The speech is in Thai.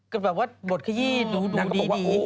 ก็แบบว่าบทขยี้ดูดี